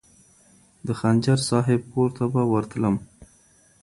د خنجر صاحب کور ته به ورتلم.